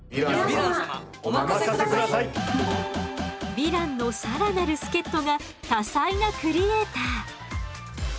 ヴィランの更なる助っとが多才なクリエーター。